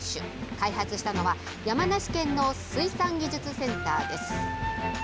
開発したのは山梨県の水産技術センターです。